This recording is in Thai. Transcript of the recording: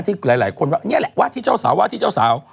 ที่หลายคนว่านี่แหละว่าที่เจ้าสาวว่าที่เจ้าสาว